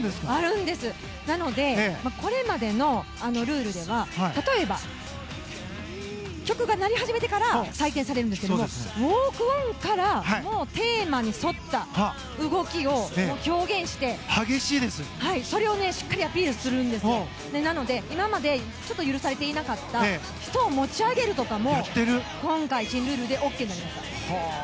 なので、これまでのルールでは例えば、曲が鳴り始めてから採点されるんですけれどもウォークインからテーマに沿った動きを表現してそれをしっかりアピールするので今まで許されていなかった人を持ち上げるとかも今回、新ルールでＯＫになりました。